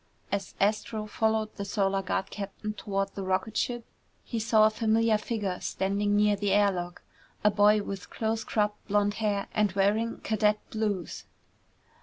As Astro followed the Solar Guard captain toward the rocket ship he saw a familiar figure standing near the air lock. A boy with close cropped blond hair and wearing cadet blues.